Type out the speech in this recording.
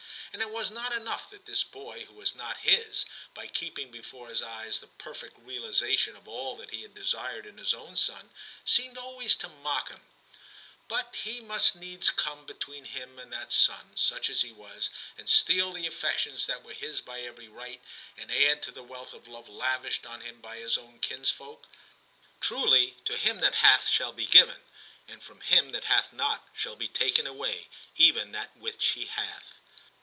And it was not enough that this boy who was not his, by keeping before his eyes the perfect realisation of all that he had desired in his own son, seemed always to mock him ; but he must needs come between him and that son, such as he was, and steal the affections that were his by every right, and add to the wealth of love lavished on him by his own kinsfolk. Truly, *to him that hath shall be given, and from him that hath not shall be taken away even that which he hath.